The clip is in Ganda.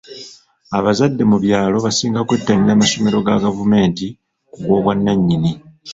Abazadde mu byalo basinga kwettanira masomero ga gavumenti ku g'obwannanyini.